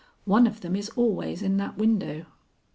One of them is always in that window."